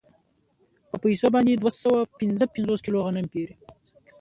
په پیسو باندې دوه سوه پنځه پنځوس کیلو غنم پېري